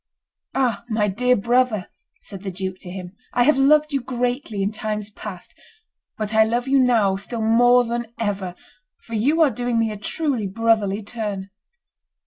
"Ah! my dear brother," said the duke to him, "I have loved you greatly in times past, but I love you now still more than ever, for you are doing me a truly brotherly turn."